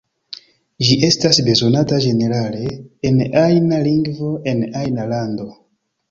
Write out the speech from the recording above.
Ĝi estas bezonata ĝenerale, en ajna lingvo, en ajna lando.